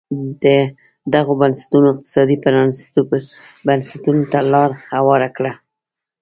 دغو بنسټونو اقتصادي پرانیستو بنسټونو ته لار هواره کړه.